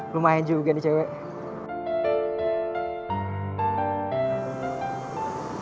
lumayan juga nih cewek